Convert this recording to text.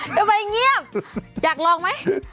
ทำไมเงียบอยากลองไหม